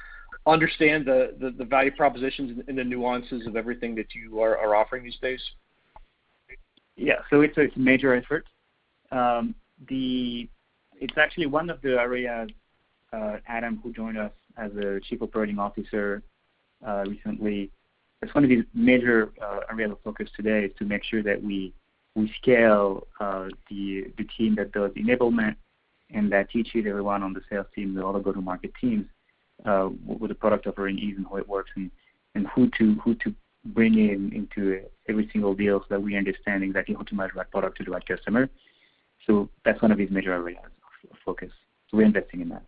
Speaker 13: understand the value propositions and the nuances of everything that you are offering these days?
Speaker 3: It's a major effort. It's actually one of the areas Adam, who joined us as a Chief Operating Officer recently, it's one of his major areas of focus today, is to make sure that we scale the team that does enablement and that teaches everyone on the sales team and all the go-to-market teams, what the product offering is and how it works, and who to bring in into every single deal so that we understand exactly how to match that product to the right customer. That's one of his major areas of focus. We're investing in that.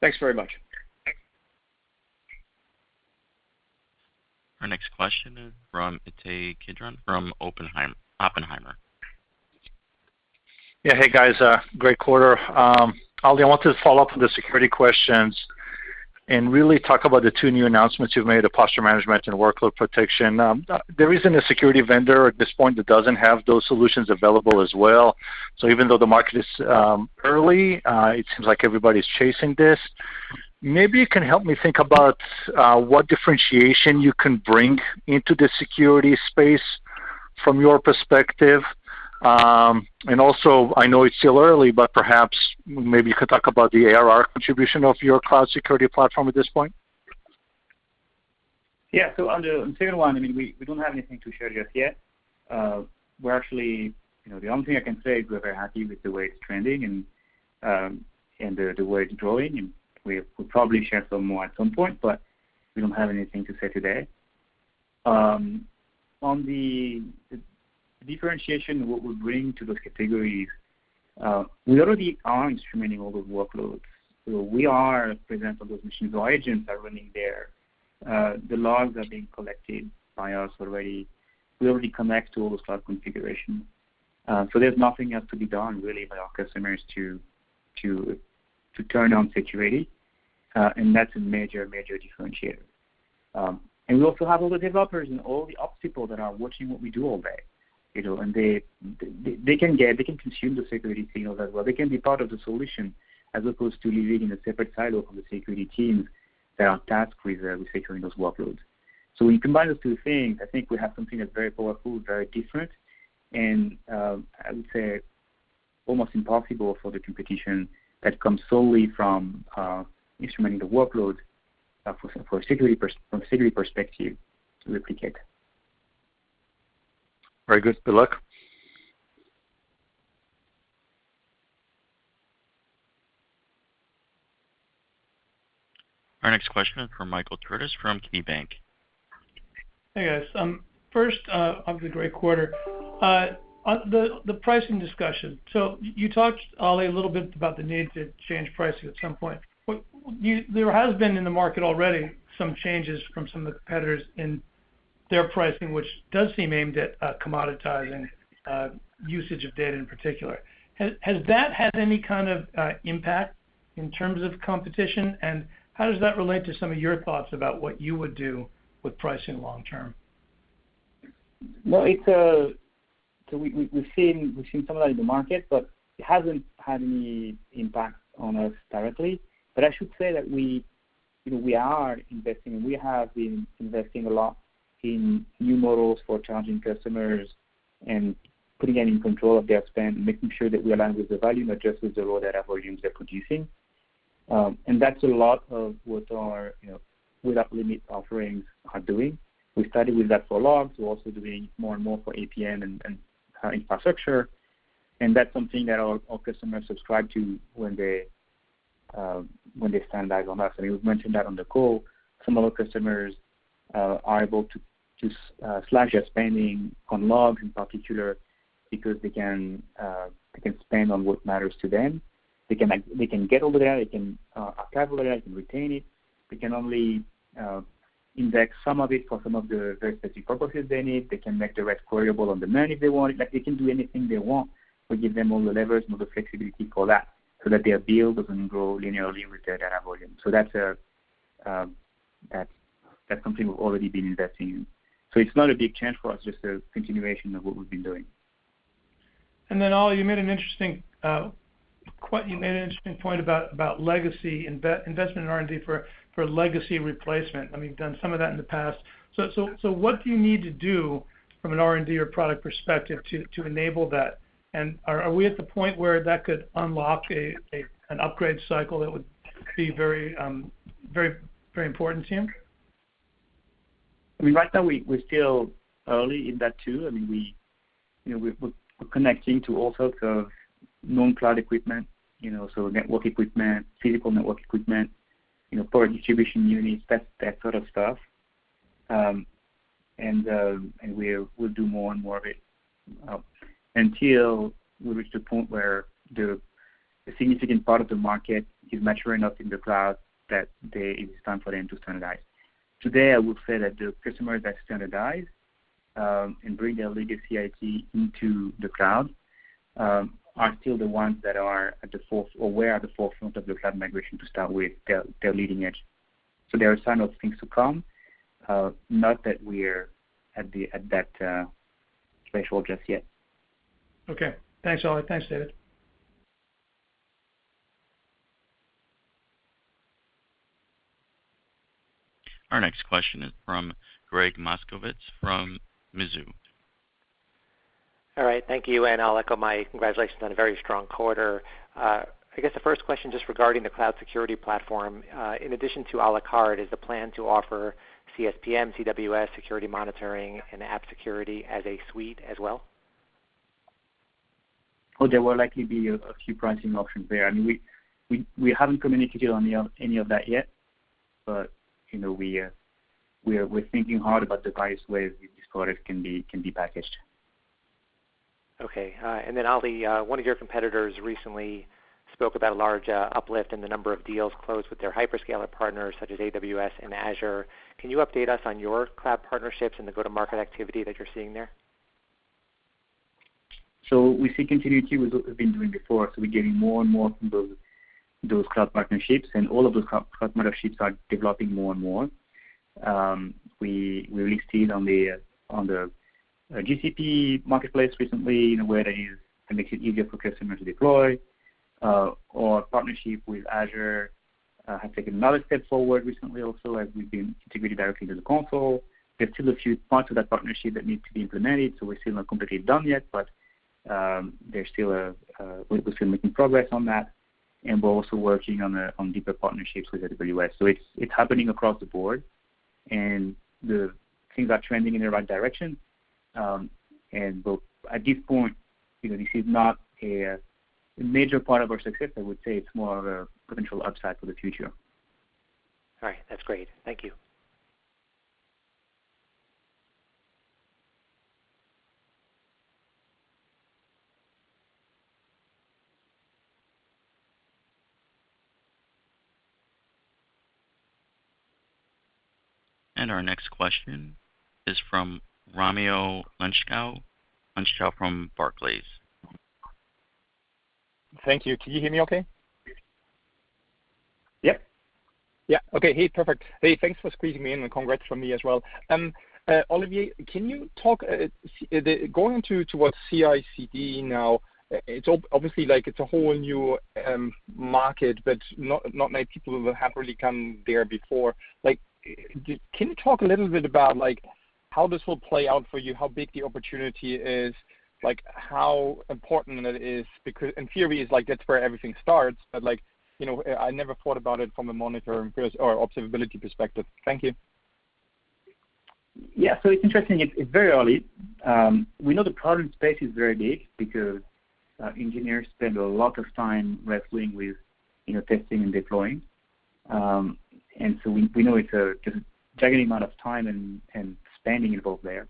Speaker 13: Thanks very much.
Speaker 1: Our next question is from Ittai Kidron from Oppenheimer.
Speaker 14: Yeah. Hey, guys. Great quarter. Olivier, I wanted to follow up with the security questions and really talk about the two new announcements you've made, the Cloud Security Posture Management and Cloud Workload Security. There isn't a security vendor at this point that doesn't have those solutions available as well. Even though the market is early, it seems like everybody's chasing this. Maybe you can help me think about what differentiation you can bring into the security space from your perspective. I know it's still early, but perhaps maybe you could talk about the ARR contribution of your Cloud Security Platform at this point.
Speaker 3: Yeah. On the second one, we don't have anything to share just yet. The only thing I can say is we're very happy with the way it's trending and the way it's growing, and we'll probably share some more at some point, but we don't have anything to say today. On the differentiation of what we bring to those categories, we already are instrumenting all those workloads. We are present on those machines. Our agents are running there. The logs are being collected by us already. We already connect to all those cloud configurations. There's nothing else to be done, really, by our customers to turn on security. That's a major differentiator. We also have all the developers and all the ops people that are watching what we do all day. They can consume the security signals as well. They can be part of the solution as opposed to living in a separate silo from the security teams that are tasked with securing those workloads. When you combine those two things, I think we have something that's very powerful, very different, and I would say almost impossible for the competition that comes solely from instrumenting the workload from a security perspective to replicate.
Speaker 14: Very good. Good luck.
Speaker 1: Our next question is from Michael Turits from KeyBanc.
Speaker 15: Hey, guys. First, obviously great quarter. On the pricing discussion, you talked, Ali, a little bit about the need to change pricing at some point. There has been in the market already some changes from some of the competitors in their pricing, which does seem aimed at commoditizing usage of data in particular. Has that had any kind of impact in terms of competition, and how does that relate to some of your thoughts about what you would do with pricing long term?
Speaker 3: No, we've seen some of that in the market, but it hasn't had any impact on us directly. I should say that we are investing, and we have been investing a lot in new models for charging customers and putting them in control of their spend, making sure that we align with the value, not just with the raw data volumes they're producing. That's a lot of what our without Limits offerings are doing. We started with that for logs. We're also doing more and more for APN and infrastructure, and that's something that our customers subscribe to when they standardize on us. We've mentioned that on the call. Some of our customers are able to slash their spending on logs in particular because they can spend on what matters to them. They can get all the data, they can archive all the data, they can retain it. They can only index some of it for some of the very specific purposes they need. They can make the rest queryable on demand if they want. They can do anything they want. We give them all the levers and all the flexibility for that so that their bill doesn't grow linearly with their data volume. That's something we've already been investing in. It's not a big change for us, just a continuation of what we've been doing.
Speaker 15: Olivier, you made an interesting point about investment in R&D for legacy replacement. I mean, you've done some of that in the past. What do you need to do from an R&D or product perspective to enable that? Are we at the point where that could unlock an upgrade cycle that would be very important to you?
Speaker 3: Right now, we're still early in that, too. We're connecting to all sorts of non-cloud equipment, so network equipment, physical network equipment, power distribution units, that sort of stuff. We'll do more and more of it until we reach the point where the significant part of the market is mature enough in the cloud that it is time for them to standardize. Today, I would say that the customers that standardize and bring their legacy IT into the cloud are still the ones that are at the forefront of the cloud migration to start with. They're leading edge. They're a sign of things to come. Not that we're at that threshold just yet.
Speaker 15: Okay. Thanks, Ali. Thanks, David.
Speaker 1: Our next question is from Gregg Moskowitz from Mizuho.
Speaker 16: All right. Thank you. I'll echo my congratulations on a very strong quarter. I guess the 1st question, just regarding the cloud security platform. In addition to a la carte, is the plan to offer CSPM, CWS, Security Monitoring, and app security as a suite as well?
Speaker 3: There will likely be a few pricing options there. We haven't communicated on any of that yet, but we're thinking hard about the various ways it can be packaged.
Speaker 16: Okay. Olivier, one of your competitors recently spoke about a large uplift in the number of deals closed with their hyperscaler partners, such as AWS and Azure. Can you update us on your cloud partnerships and the go-to-market activity that you are seeing there?
Speaker 3: We see continuity with what we've been doing before. We're getting more and more from those cloud partnerships, and all of those cloud partnerships are developing more and more. We released it on the GCP marketplace recently, in a way that makes it easier for customers to deploy. Our partnership with Azure has taken another step forward recently also, as we've been integrated directly into the console. There's still a few parts of that partnership that need to be implemented, so we're still not completely done yet, but we're still making progress on that. We're also working on deeper partnerships with AWS. It's happening across the board, and things are trending in the right direction. At this point, this is not a major part of our success. I would say it's more of a potential upside for the future.
Speaker 16: All right. That's great. Thank you.
Speaker 1: Our next question is from Raimo Lenschow from Barclays.
Speaker 17: Thank you. Can you hear me okay?
Speaker 3: Yep.
Speaker 17: Okay. Perfect. Thanks for squeezing me in, and congrats from me as well. Olivier, going into what CI/CD now, it's a whole new market, not many people have really gone there before. Can you talk a little bit about how this will play out for you, how big the opportunity is, how important it is? In theory, that's where everything starts, I never thought about it from a monitoring or observability perspective. Thank you.
Speaker 3: Yeah. It's interesting. It's very early. We know the product space is very big because engineers spend a lot of time wrestling with testing and deploying. We know it's just a gigantic amount of time and spending involved there.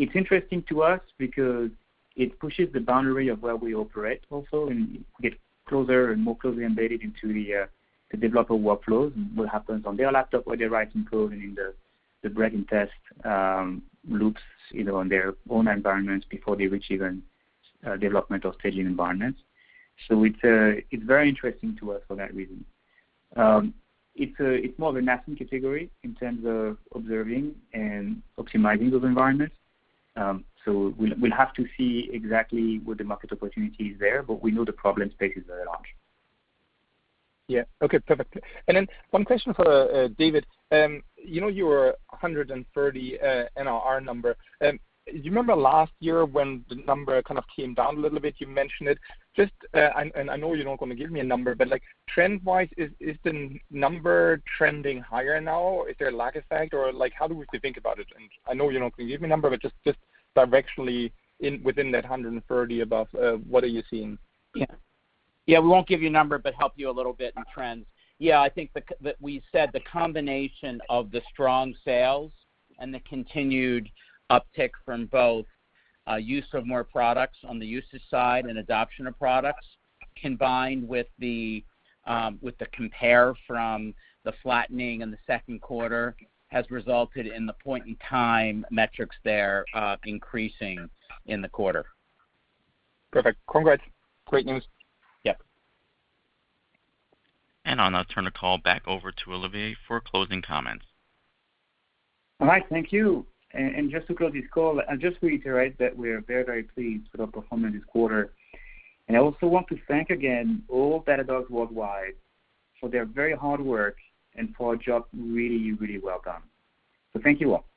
Speaker 3: It's interesting to us because it pushes the boundary of where we operate also, and get closer and more closely embedded into the developer workflow, what happens on their laptop where they're writing code, and then the breaking test loops, either on their own environments before they reach even development or staging environments. It's very interesting to us for that reason. It's more of a nascent category in terms of observing and optimizing those environments. We'll have to see exactly what the market opportunity is there, but we know the problem space is very large.
Speaker 17: Yeah. Okay, perfect. Then one question for David. You know your 130 NRR number. Do you remember last year when the number kind of came down a little bit? You mentioned it. I know you're not going to give me a number, but trend-wise, is the number trending higher now? Is there a lag effect? How do we think about it? I know you're not going to give me a number, but just directionally within that 130 above, what are you seeing?
Speaker 4: Yeah. We won't give you a number, but help you a little bit in trends. Yeah, I think that we said the combination of the strong sales and the continued uptick from both use of more products on the usage side and adoption of products, combined with the compare from the flattening in the second quarter, has resulted in the point in time metrics there increasing in the quarter.
Speaker 17: Perfect. Congrats. Great news.
Speaker 4: Yep.
Speaker 1: I'll now turn the call back over to Olivier for closing comments.
Speaker 3: All right, thank you. Just to close this call, just to reiterate that we are very, very pleased with our performance this quarter. I also want to thank again all Datadog worldwide for their very hard work and for a job really, really well done. Thank you all.